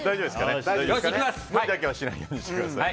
無理だけはしないようにしてください。